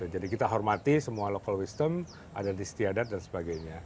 jadi kita hormati semua local wisdom adat istiadat dan sebagainya